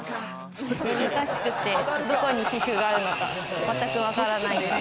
難しくて、どこに皮膚があるのか全くわからない。